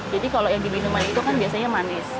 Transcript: jadi kalau yang diminuman itu kan biasanya manis